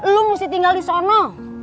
lo harus tinggal di sana